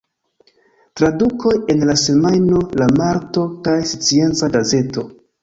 Tradukoj en "La Semajno", "La Marto" kaj "Scienca Gazeto".